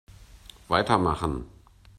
Weitermachen!